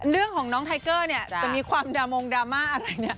เรื่องของน้องไทเกอร์เนี่ยจะมีความดามงดราม่าอะไรเนี่ย